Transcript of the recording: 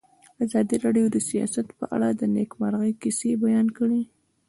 ازادي راډیو د سیاست په اړه د نېکمرغۍ کیسې بیان کړې.